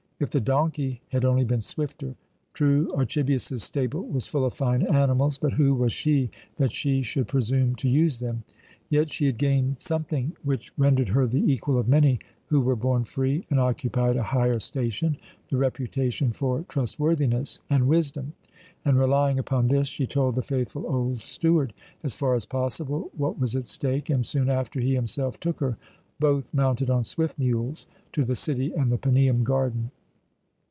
If the donkey had only been swifter! True, Archibius's stable was full of fine animals, but who was she that she should presume to use them? Yet she had gained something which rendered her the equal of many who were born free and occupied a higher station the reputation for trustworthiness and wisdom; and relying upon this, she told the faithful old steward, as far as possible, what was at stake, and soon after he himself took her, both mounted on swift mules, to the city and the Paneum garden.